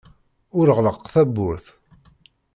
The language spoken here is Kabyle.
Ur ɣelleq tawwurt.